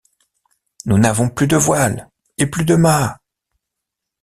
Nous n’avons plus de voile, et plus de mât.